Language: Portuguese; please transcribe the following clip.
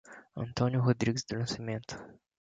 Antônio Rodrigues do Nascimento